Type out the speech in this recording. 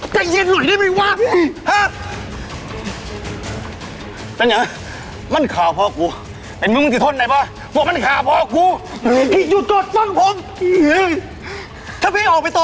ใจเลียนหน่อยได้ไหมวะ